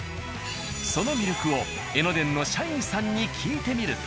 その魅力を江ノ電の社員さんに聞いてみると。